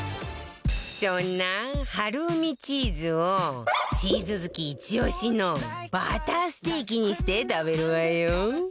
そんなハルーミチーズをチーズ好きイチオシのバターステーキにして食べるわよ